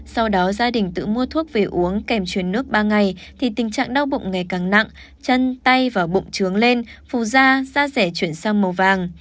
sau đó gia đình tự mua thuốc về uống kèm chuyển nước ba ngày thì tình trạng đau bụng ngày càng nặng chân tay và bụng trướng lên phù da rẻ chuyển sang màu vàng